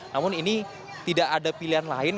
namun ini tidak ada pilihan lain